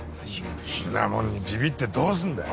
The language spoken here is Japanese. こんなもんにビビってどうすんだよ。